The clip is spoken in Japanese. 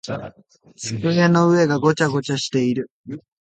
机の上がごちゃごちゃしている。